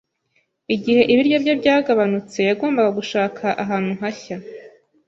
Igihe ibiryo bye byagabanutse, yagombaga gushaka ahantu hashya.